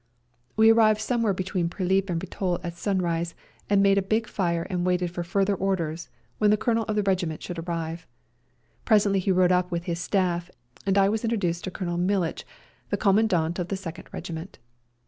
We arrived somewhere between Prilip and Bitol at sunrise, and made a big fire and waited for further orders when the Colonel of the regiment should arrive. Presently he rode up with his staff, and I was introduced to Colonel Militch, the Commandant of the Second Regiment.